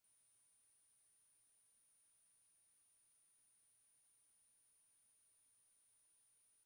viongozi wa jumuiya ya kiuchumi ya nchi za magharibi na ecowas